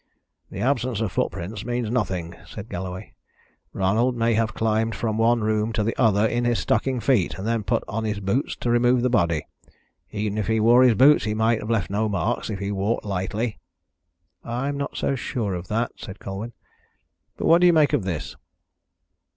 "The absence of footprints means nothing," said Galloway. "Ronald may have climbed from one room to the other in his stocking feet, and then put on his boots to remove the body. Even if he wore his boots he might have left no marks, if he walked lightly." "I am not so sure of that," said Colwyn. "But what do you make of this?"